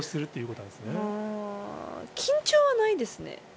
緊張はないですね。